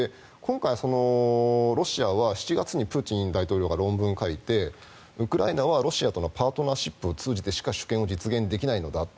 今回、ロシアは７月にプーチン大統領が論文を書いてウクライナはロシアとのパートナシップを通じてしか主権を実現できないのだ。